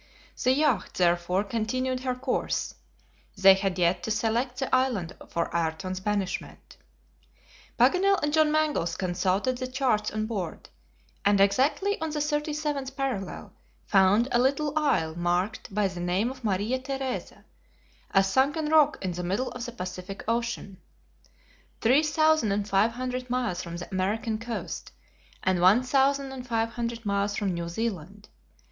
The yacht therefore continued her course. They had yet to select the island for Ayrton's banishment. Paganel and John Mangles consulted the charts on board, and exactly on the 37th parallel found a little isle marked by the name of Maria Theresa, a sunken rock in the middle of the Pacific Ocean, 3,500 miles from the American coast, and 1,500 miles from New Zealand.